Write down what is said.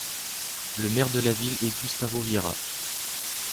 Le maire de la ville est Gustavo Viera.